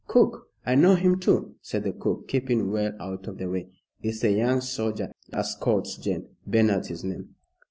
"Cook." "I know him too," said the cook, keeping well out of the way. "It's the young soldier as courts Jane. Bernard's his name."